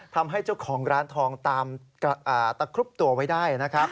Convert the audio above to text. ทำให้เจ้าของร้านทองตะคลุบตัวไว้ได้